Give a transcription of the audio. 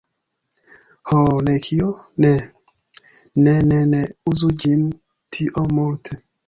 Ho.. ne kio? Ne! Ne ne ne ne uzu ĝin tiom multe!